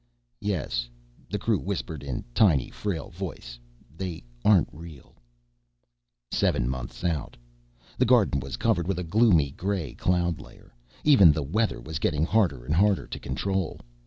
_" "Yes," the crew whispered in a tiny, frail voice, "they aren't real...." Seven months out: The garden was covered with a gloomy gray cloud layer. Even the "weather" was getting harder and harder to control.